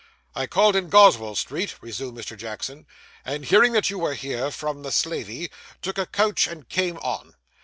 'I called in Goswell Street,' resumed Mr. Jackson, 'and hearing that you were here, from the slavey, took a coach and came on.